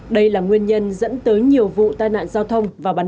đây là nguyên liệu của công trình